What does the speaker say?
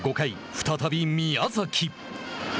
再び宮崎。